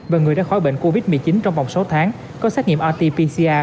và người đã khỏi bệnh covid một mươi chín trong vòng sáu tháng có xét nghiệm rt pcr